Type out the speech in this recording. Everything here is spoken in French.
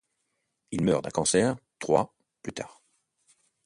Il meurt d'un cancer trois plus tard.